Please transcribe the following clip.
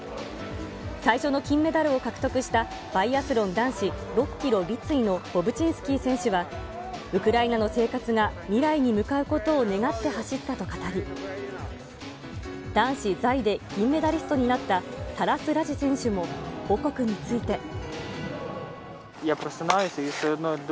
最初の金メダルを獲得した、バイアスロン男子６キロ立位のボブチンスキー選手は、ウクライナの生活が未来に向かうことを願って走ったと語り、男子座位で銀メダリストになったタラス・ラジ選手も、母国について。